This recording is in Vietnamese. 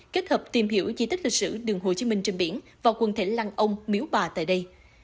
kết hợp tìm hiểu di tích lịch sử đường hồ chí minh trên biển và quần thể lăng ông miếu bà tại đây